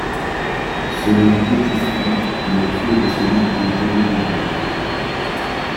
Selon Euthyphron, le pieux est ce qui est aimé des dieux.